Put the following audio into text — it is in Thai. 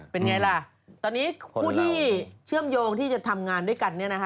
ผู้ที่เชื่อมโยงที่จะทำงานด้วยกัน